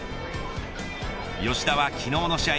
吉田は昨日の試合